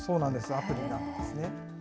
アプリなんですね。